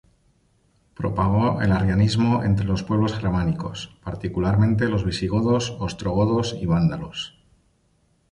Propagó el arrianismo entre los pueblos germánicos, particularmente los visigodos, ostrogodos y vándalos.